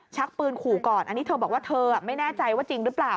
ปืนขู่ก่อนอันนี้เธอบอกว่าเธอไม่แน่ใจว่าจริงหรือเปล่า